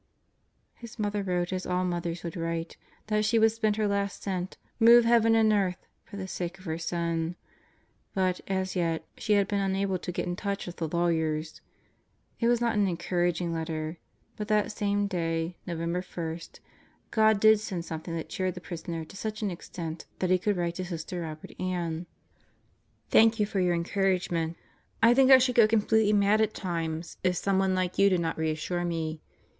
His mother wrote, as all mothers would write, that she would spend her last cent, move heaven and earth, for the sake of her son. But, as yet, she had been unable to get in touch with the lawyers. It was not an encouraging letter. But that same day Deeper Depths and Broader Horizons 131 November 1 God did send something that cheered the prisoner to such an extent that he could write to Sister Robert Ami: Thanks for your encouragement. ... I think I should go com pletely mad at times if someone like you did not reassure me.